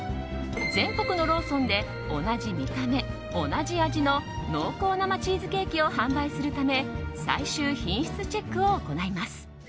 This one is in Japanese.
全国のローソンで同じ見た目、同じ味の濃厚生チーズケーキを販売するため最終品質チェックを行います。